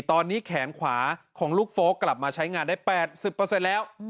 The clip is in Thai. ตอนนี้แขนขวาของลูกโฟลกกลับมาใช้งานได้๘๐แล้ว